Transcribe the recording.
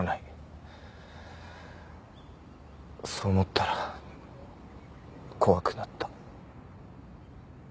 そう思ったら怖くなった。